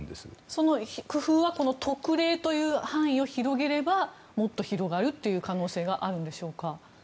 その工夫はこの特例という範囲を広げれば広げれば、もっと広がる可能性があるんでしょうか。